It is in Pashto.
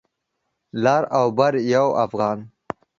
لر او بر یو افغان